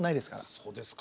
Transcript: そうですか？